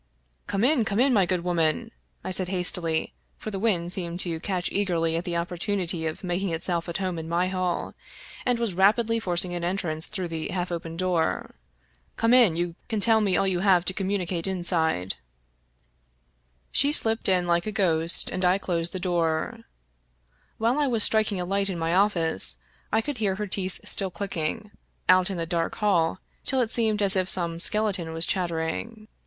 " Come in, come in, my good woman," I said hastily, for the wind seemed to catch eagerly at the opportunity of making itself at home in my hall, and was rapidly forcing an entrance through the half open door. " Come in, you can tell me all you have to communicate inside." 9 Irish Mystery Stories She slipped in like a ghost, and I closed the door. While I was striking a light in my office, I could hear her teeth still clicking, out in the dark hall, till it seemed as if some skeleton was chattering.